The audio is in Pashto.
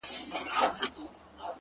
د ژوندون ساه د ژوند وږمه ماته كړه!!